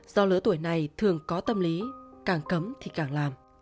do lứa tuổi này thường có tâm lý càng cấm thì càng làm